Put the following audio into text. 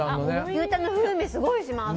牛たんの風味、すごいします。